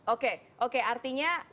oke oke artinya